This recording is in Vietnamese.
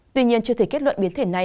tuy nhiên chưa thể kết luận biến thể này